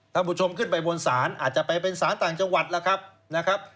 ท่านผู้ชมขึ้นไปบนศาลอาจจะไปเป็นสารต่างจังหวัดแล้วครับนะครับ